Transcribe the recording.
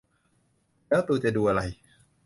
แล้วตูจะดูอะไร